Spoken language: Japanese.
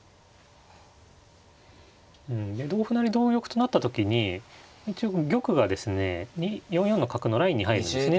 同歩成同玉となった時に一応この玉がですね４四の角のラインに入るんですね。